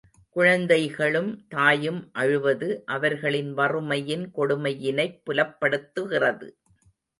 குழந்தைகளும் தாயும் அழுவது, அவர்களின் வறுமையின் கொடுமையினைப் புலப்படுத்துகிறது.